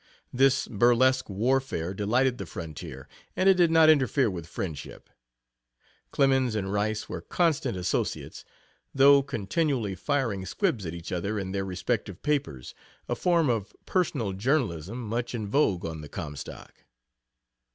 This burlesque warfare delighted the frontier and it did not interfere with friendship. Clemens and Rice were constant associates, though continually firing squibs at each other in their respective papers a form of personal journalism much in vogue on the Comstock.